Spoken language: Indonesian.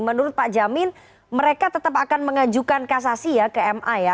menurut pak jamin mereka tetap akan mengajukan kasasi ya ke ma ya